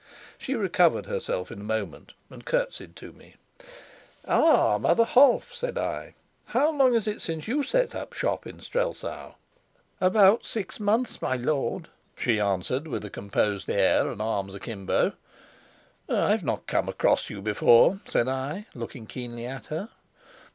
She recovered herself in a moment, and curtseyed to me. "Ah, Mother Holf," said I, "how long is it since you set up shop in Strelsau?" "About six months, my lord," she answered, with a composed air and arms akimbo. "I have not come across you before," said I, looking keenly at her.